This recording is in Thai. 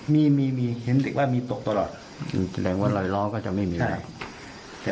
มีมีเห็นเด็กว่ามีตกตลอดแสดงว่ารอยล้อก็จะไม่มีอะไร